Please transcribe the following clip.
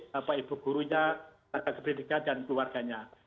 bapak ibu gurunya bapak keberdekaan dan keluarganya